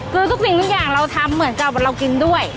คือทุกสิ่งทุกอย่างเราทำเหมือนกับเรากินด้วย